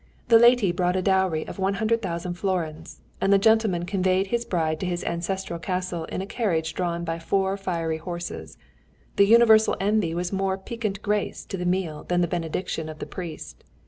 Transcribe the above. The lady brought a dowry of 100,000 florins, and the gentleman conveyed his bride to his ancestral castle in a carriage drawn by four fiery horses. The universal envy was a more piquant grace to the meal than the benediction of the priest.